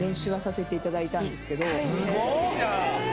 すごいな！